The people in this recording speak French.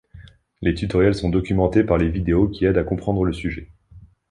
Les tutoriels sont documentés par les vidéos qui aident à comprendre le sujet.